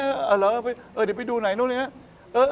เออเหรอเออเดี๋ยวไปดูหน่อยนู่นนี่เนี่ยนะ